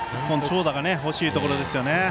１本長打が欲しいところですよね。